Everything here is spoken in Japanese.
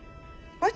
はい？